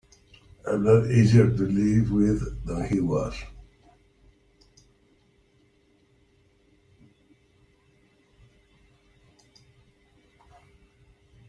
I'm not easier to live with than he was.